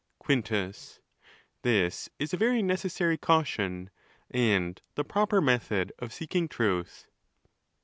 © Quintus. —This is a very necessary caution, and the proper method of seeking truth, ON THE LAWS.